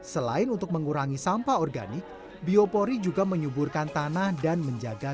selain untuk mengurangi sampah organik biopori juga menyuburkan tanah dan menjaga